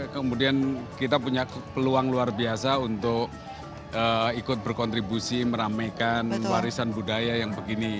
kemudian kita punya peluang luar biasa untuk ikut berkontribusi meramaikan warisan budaya yang begini